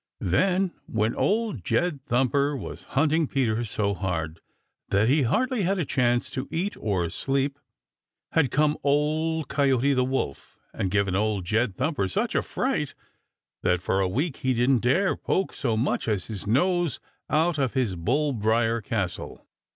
Then, when Old Jed Thumper was hunting Peter so hard that he hardly had a chance to eat or sleep, had come Old Man Coyote the Wolf and given Old Jed Thumper such a fright that for a week he didn't dare poke so much as his nose out of his bull briar castle.